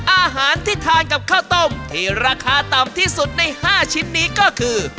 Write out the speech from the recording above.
อาหารที่ทานกับข้าวต้มที่ราคาต่ำที่สุดใน๕ชิ้นนี้ก็คือ